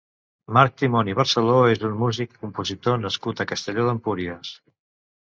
Marc Timón i Barceló és un músic i compositor nascut a Castelló d'Empúries.